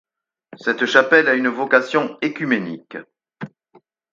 Cette chapelle a une vocation œcuménique.